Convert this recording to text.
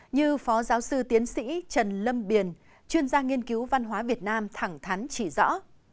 như phó giáo sư tiến sĩ trần lâm biền chuyên gia nghiên cứu văn hóa việt nam thẳng thắn chỉ rõ